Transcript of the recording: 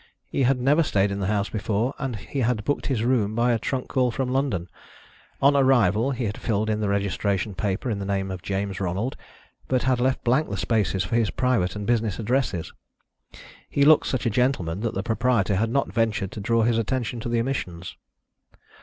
He had never stayed in the house before, and he had booked his room by a trunk call from London. On arrival he had filled in the registration paper in the name of James Ronald, but had left blank the spaces for his private and business addresses. He looked such a gentleman that the proprietor had not ventured to draw his attention to the omissions.